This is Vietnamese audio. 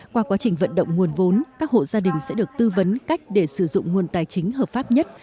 qua quá trình vận động nguồn vốn các hộ gia đình sẽ được tư vấn cách để sử dụng nguồn tài chính hợp pháp nhất